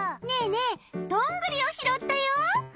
ねえねえどんぐりをひろったよ。